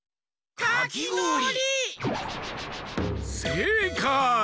せいかい！